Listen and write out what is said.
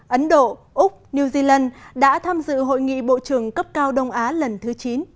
ấn độ úc new zealand đã tham dự hội nghị bộ trưởng cấp cao đông á lần thứ chín